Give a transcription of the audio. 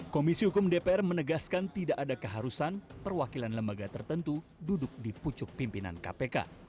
komisi hukum dpr menegaskan tidak ada keharusan perwakilan lembaga tertentu duduk di pucuk pimpinan kpk